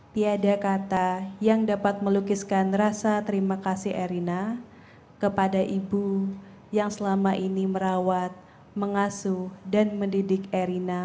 tiada kata yang dapat melukiskan rasa terima kasih erina kepada ibu yang selama ini merawat mengasuh dan mendidik erina